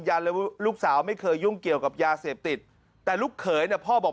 เลยว่าลูกสาวไม่เคยยุ่งเกี่ยวกับยาเสพติดแต่ลูกเขยเนี่ยพ่อบอก